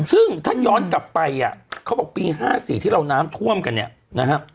ซึ่งถ้าย้อนกลับไปอ่ะเขาบอกปี๕๔ที่เราน้ำท่วมกันเนี่ยนะฮะ